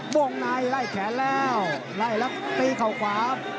บวงนายล่ายแขนแล้วล่ายละตีเข้าขวา